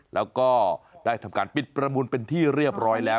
แล้วก็ได้ทำการปิดประมูลเป็นที่เรียบร้อยแล้ว